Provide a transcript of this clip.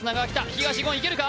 東もいけるか？